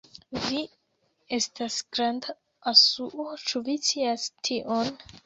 Vi estas granda asuo, ĉu vi scias tion?